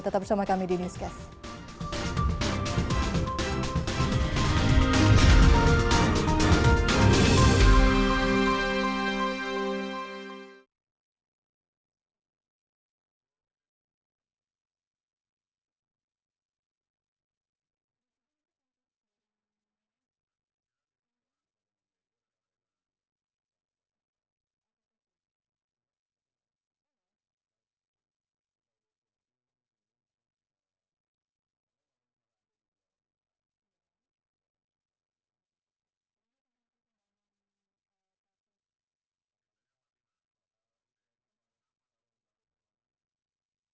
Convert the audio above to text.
tetap bersama kami di newscast